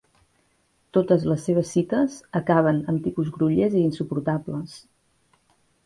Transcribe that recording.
Totes les seves cites acaben amb tipus grollers i insuportables.